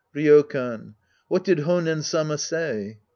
Ryokan. What did Honen Sama say